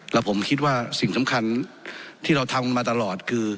แล้วผมคิดว่าสิ่งสำคัญที่เราทำมาตลอดคือ